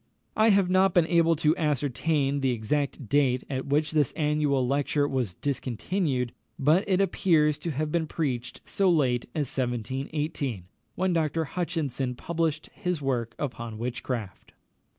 I have not been able to ascertain the exact date at which this annual lecture was discontinued; but it appears to have been preached so late as 1718, when Dr. Hutchinson published his work upon witchcraft.